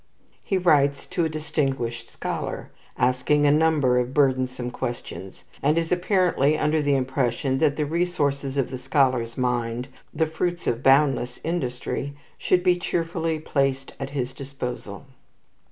He writes to a distinguished scholar, asking a number of burdensome questions, and is apparently under the impression that the resources of the scholar's mind, the fruits of boundless industry, should be cheerfully placed at his disposal.